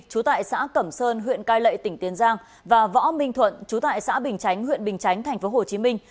chú tại xã cẩm sơn huyện cai lệ tỉnh tiền giang và võ minh thuận chú tại xã bình chánh huyện bình chánh thành phố hồ chí minh